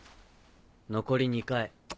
残り２回。